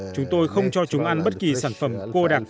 chúng tôi không cho chúng ăn bất kỳ sản phẩm cô đặc